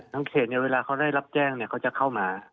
ทางเขตเนี่ยเวลาเขาได้รับแจ้งเนี่ยเขาจะเข้ามา